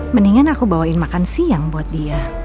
mendingan aku bawain makan siang buat dia